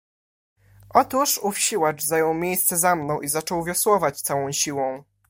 "Otóż ów siłacz zajął miejsce za mną i zaczął wiosłować całą siłą."